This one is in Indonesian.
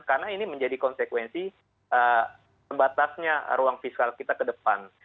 karena ini menjadi konsekuensi tembatasnya ruang fiskal kita ke depan